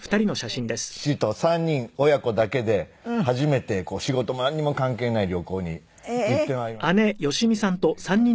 私と姉と父と３人親子だけで初めて仕事もなんにも関係ない旅行に行ってまいりましたお天気に恵まれて。